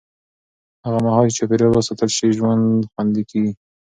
هغه مهال چې چاپېریال وساتل شي، ژوند خوندي کېږي.